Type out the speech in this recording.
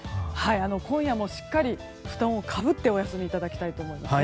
今夜もしっかり布団をかぶってお休みいただきたいと思います。